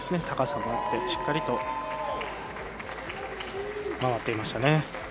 高さもあってしっかりと回っていましたね。